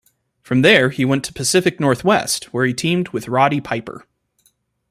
From there he went to Pacific Northwest where he teamed with Roddy Piper.